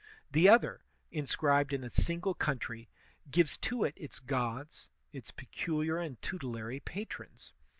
The other, inscribed in a single country, gives to it its gods, its peculiar and tutelary patrons.